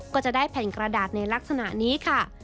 ก็จะได้แผ่นกระดาษในลักษณะนี้ค่ะ